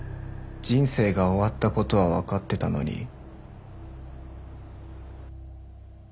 人生が終わった事はわかってたのに。